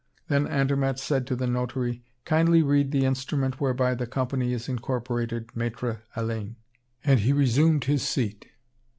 Then Andermatt said to the notary: "Kindly read the instrument whereby the Company is incorporated, Maître Alain." And he resumed his seat.